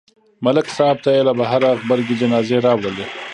ملک صاحب ته یې له بهره غبرګې جنازې راوړلې